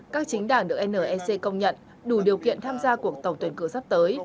các chính đảng được nec công nhận đủ điều kiện tham gia cuộc tổng tuyển cử sắp tới